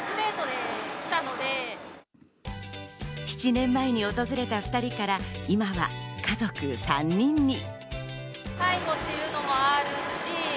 ７年前に訪れた２人から今は家族３人に。